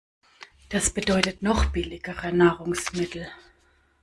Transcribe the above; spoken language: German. Das bedeutet, noch billigere Nahrungsmittel.